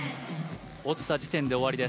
落ちた時点で終わりです。